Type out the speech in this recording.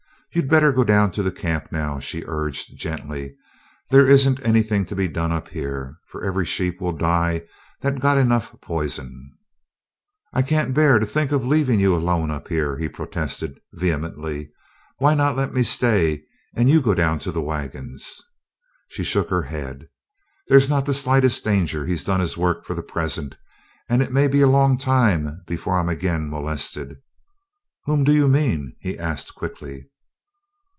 You'd better go down to camp now," she urged gently. "There isn't anything to be done up here, for every sheep will die that got enough poison." "I can't bear to think of leaving you alone up here," he protested vehemently. "Why not let me stay and you go down to the wagons?" She shook her head. "There's not the slightest danger. He's done his work for the present, and it may be a long time before I'm again molested." "Whom do you mean?" he asked quickly.